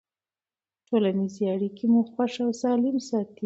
ټولنیزې اړیکې مو خوښ او سالم ساتي.